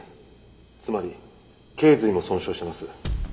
つまり頸髄も損傷してます。